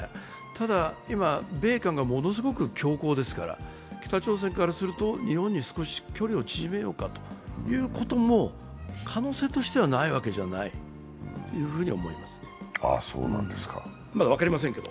ただ、今、米韓がものすごく強硬ですから北朝鮮からすると日本に少し距離を縮めようかということも可能性としては、ないわけじゃないと思います。